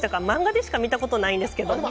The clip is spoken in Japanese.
漫画でしか見たことないんですけど。